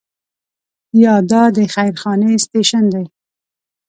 یا دا د خیر خانې سټیشن دی.